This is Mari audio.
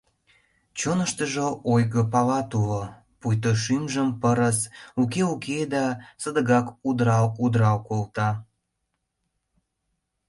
Чоныштыжо ойго палат уло, пуйто шӱмжым пырыс уке-уке да садыгак удырал-удырал колта.